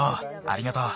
ありがとう。